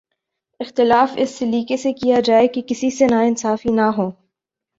اختلاف اس سلیقے سے کیا جائے کہ کسی سے ناانصافی نہ ہو۔